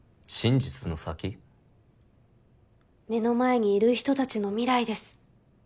目の前にいる人たちの未来です。